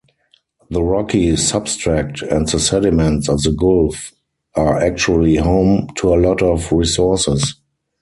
The rocky substract and the sediments of the gulf are actually home to a lot of resources.